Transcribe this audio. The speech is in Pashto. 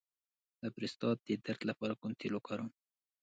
د پروستات د درد لپاره کوم تېل وکاروم؟